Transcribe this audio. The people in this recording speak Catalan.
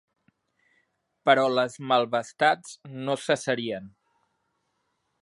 Però les malvestats no cessarien.